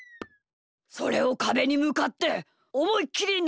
それをかべにむかっておもいっきりなげてごらん。